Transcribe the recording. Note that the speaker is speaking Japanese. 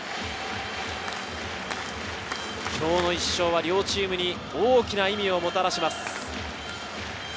今日の一勝は両チームに大きな意味をもたらします。